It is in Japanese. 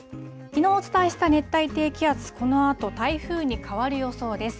きのうお伝えした熱帯低気圧、このあと台風に変わる予想です。